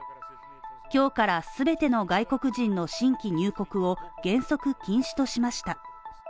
今日から全ての外国人の新規入国を原則禁止としました。